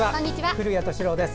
古谷敏郎です。